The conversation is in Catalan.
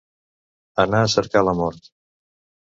Anar a cercar la mort.